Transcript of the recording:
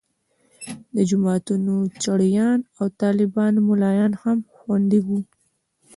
د جوماتونو چړیان او طالبان ملایان هم خوندي وو.